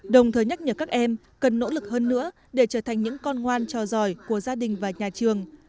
đồng thời nhắc nhở các em cần nỗ lực hơn nữa để trở thành những con ngoan trò giỏi của gia đình và nhà trường